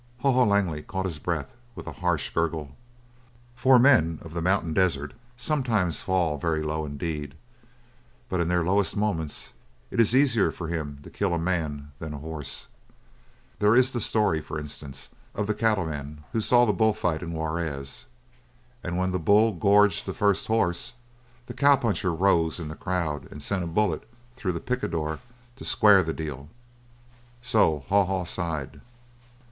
Haw Haw Langley caught his breath with a harsh gurgle. For men of the mountain desert sometimes fall very low indeed, but in their lowest moments it is easier for him to kill a man than a horse. There is the story, for instance, of the cattleman who saw the bull fight in Juarez, and when the bull gored the first horse the cowpuncher rose in the crowd and sent a bullet through the picador to square the deal. So Haw Haw sighed.